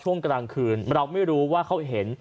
ช่วงกลางคืนเราไม่รู้ว่าเขาเห็น